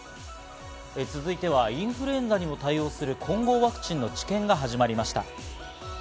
続いてはインフルエンザにも対応する混合ワクチンの治験が始まりました。